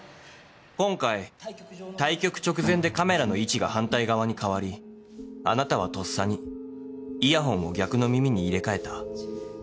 今回対局直前でカメラの位置が反対側に変わりあなたはとっさにイヤホンを逆の耳に入れ替えた。